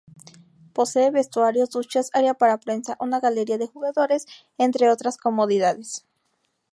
Posee vestuarios, duchas, área para prensa, una galería de jugadores entre otras comodidades.